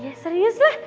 ya serius lah